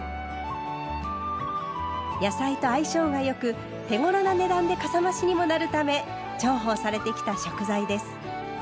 野菜と相性が良く手ごろな値段でかさ増しにもなるため重宝されてきた食材です。